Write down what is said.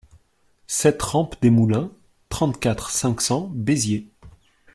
sept rampe des Moulins, trente-quatre, cinq cents, Béziers